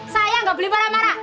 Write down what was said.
saya nggak beli marah marah